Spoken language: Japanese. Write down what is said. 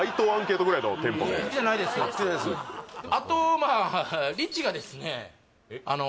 あとまあリチがですね